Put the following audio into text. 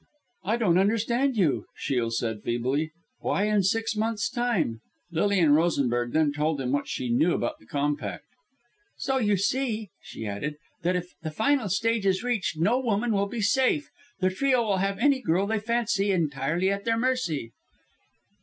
"I don't understand you," Shiel said feebly; "why in six months' time?" Lilian Rosenberg then told him what she knew about the compact. "So you see," she added, "that if the final stage is reached no woman will be safe the trio will have any girl they fancy entirely at their mercy."